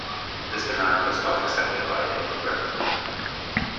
This demand was not accepted by Indian government.